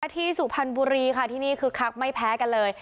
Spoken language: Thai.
ที่สุพรรณบุรีค่ะที่นี่คือคักไม่แพ้กันเลย